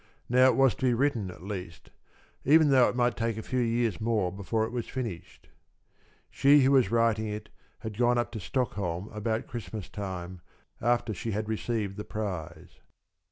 Now it was to be written, at least, even though it might take a few years more before it was finished. She who was writing it had gone up to Stockholm around Christmas time, after she had received the prize.